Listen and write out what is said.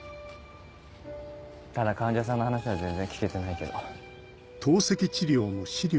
ただ患者さんの話は全然聞けてないけど。